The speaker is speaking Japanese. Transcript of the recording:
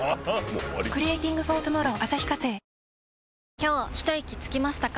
今日ひといきつきましたか？